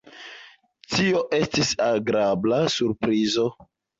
Tio estis agrabla surprizo.